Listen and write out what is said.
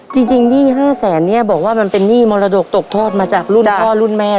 จริงนี่๕๐๐๐๐๐บาทนี่บอกว่ามันเป็นนี่มรดกตกโทษมาจากรุ่นพ่อรุ่นแม่รุ่นแหละ